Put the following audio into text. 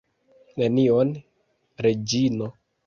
Nenion, Reĝino.